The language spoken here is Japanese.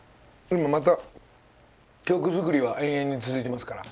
また曲作りは永遠に続いてますから。